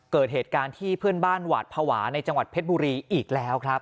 เกิดเหตุการณ์ที่เพื่อนบ้านหวาดภาวะในจังหวัดเพชรบุรีอีกแล้วครับ